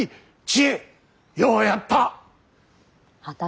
ちえようやった。